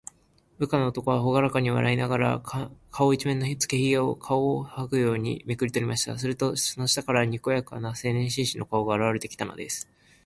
部下の男は、ほがらかに笑いながら、顔いちめんのつけひげを、皮をはぐようにめくりとりました。すると、その下から、にこやかな青年紳士の顔があらわれてきたのです。